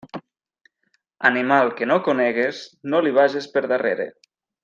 Animal que no conegues, no li vages per darrere.